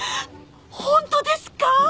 本当ですか？